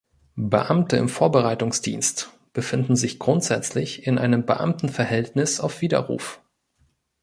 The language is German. Beamte im Vorbereitungsdienst befinden sich grundsätzlich in einem Beamtenverhältnis auf Widerruf.